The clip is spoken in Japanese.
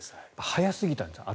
早すぎたんですね